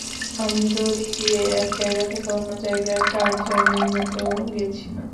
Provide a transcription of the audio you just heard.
আমি দড়ি দিয়ে এক জায়গা থেকে অন্য জায়গায় টার্জানের মত গেছি।